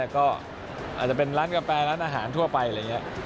ก็อาจจะเป็นร้านกาแฟร้านอาหารทั่วไปอะไรอย่างนี้